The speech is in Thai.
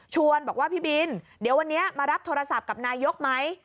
บอกว่าพี่บินเดี๋ยววันนี้มารับโทรศัพท์กับนายกไหม